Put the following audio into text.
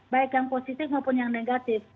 baik yang positif maupun yang negatif